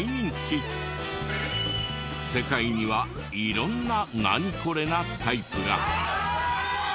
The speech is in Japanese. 世界には色んな「ナニコレ？」なタイプが。